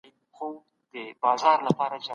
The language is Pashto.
لیکوال وویل چي انقلابونه ګډوډي راوړي.